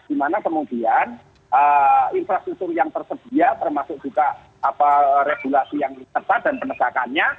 di mana kemudian infrastruktur yang tersedia termasuk juga regulasi yang tersedia termasuk juga regulasi yang tepat dan penegakannya